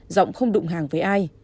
giọng không đụng hàng với ai